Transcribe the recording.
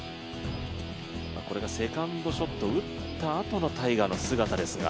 これがセカンドショット打ったあとのタイガーの姿ですが。